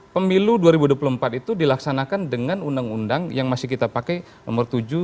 pemilu dua ribu dua puluh empat itu dilaksanakan dengan undang undang yang masih kita pakai nomor tujuh dua ribu